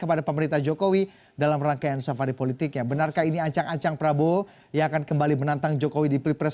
ketika pemerintah jokowi dianggap sebagai pemerintah pemerintah jokowi menangkap pemerintah jokowi dengan kondisi terkini